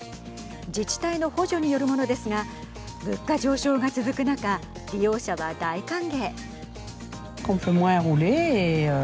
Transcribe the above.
自治体の補助によるものですが物価上昇が続く中利用者は大歓迎。